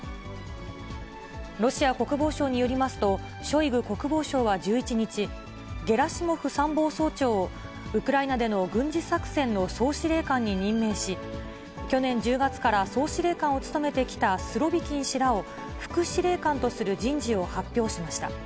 ロシア国防省によりますと、ショイグ国防相は１１日、ゲラシモフ参謀総長をウクライナでの軍事作戦の総司令官に任命し、去年１０月から総司令官を務めてきたスロビキン氏らを副司令官とする人事を発表しました。